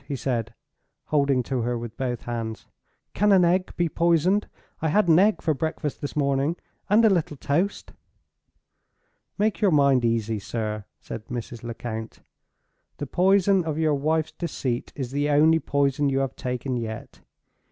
he said, holding to her with both hands. "Can an egg be poisoned? I had an egg for breakfast this morning, and a little toast." "Make your mind easy, sir," said Mrs. Lecount. "The poison of your wife's deceit is the only poison you have taken yet.